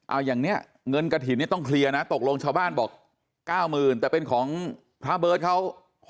เอาอย่างนี้เงินกระถิ่นเนี่ยต้องเคลียร์นะตกลงชาวบ้านบอก๙๐๐๐แต่เป็นของพระเบิร์ตเขา